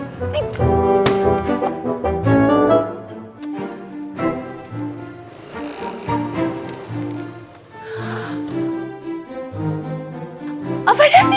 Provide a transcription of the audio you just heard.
nggak mau lagi